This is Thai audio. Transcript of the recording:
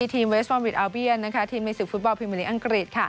ทีมเวสบอลวิชอัลเบียนทีมมีสุขฟุตบอลพรีเมลิงอังกฤษ